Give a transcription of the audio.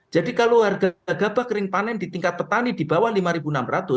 jadi kalau harga gaba kering panen di tingkat petani di bawah rp lima enam ratus